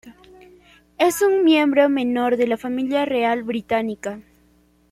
Es un miembro menor de la Familia Real Británica.